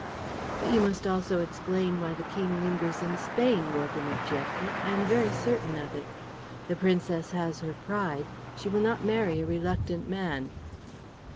"But you must also explain why the King lingers in Spain," Wogan objected. "I am very certain of it. The Princess has her pride; she will not marry a reluctant man."